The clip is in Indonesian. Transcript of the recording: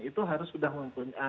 itu harus sudah mempunyai